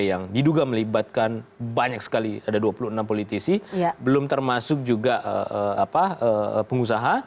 yang diduga melibatkan banyak sekali ada dua puluh enam politisi belum termasuk juga pengusaha